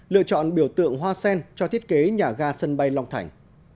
lựa chọn biểu tượng hoa sen cho thiết kế nhà ga sân bay long thành